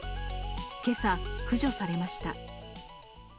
けさ、駆除されました。